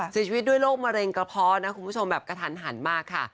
เสียชีวิตด้วยโรคมะเร็งกระเพาะนะคุณผู้ชมแบบกระทันหันมากค่ะ